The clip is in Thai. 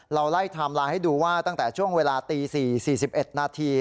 เราไล่ไทม์ไลน์ให้ดูว่าตั้งแต่ช่วงเวลาตี๔๔๑นาที